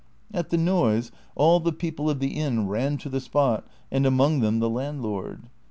^ At the noise all the people of the inn ran to the spot, and among them the landlord.